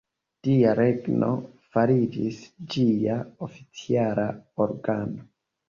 Dia Regno fariĝis ĝia oficiala organo.